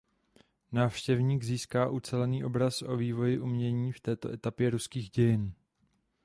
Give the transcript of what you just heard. Návštěvník získá ucelený obraz o vývoji umění v této etapě ruských dějin.